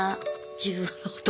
自分の男